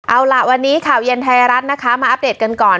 เอาล่ะวันนี้ข่าวเย็นไทยรัฐนะคะมาอัปเดตกันก่อน